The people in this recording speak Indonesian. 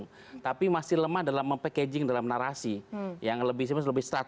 banyak hal sebenarnya yang dituuv media